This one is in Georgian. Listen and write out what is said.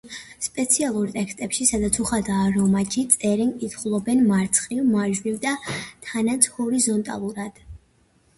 სპეციალურ ტექსტებში, სადაც უხვადაა რომაჯი, წერენ და კითხულობენ მარცხნიდან მარჯვნივ და თანაც ჰორიზონტალურად.